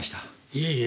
いえいえ。